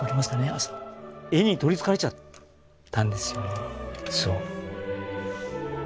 絵に取りつかれちゃったんですよねそう。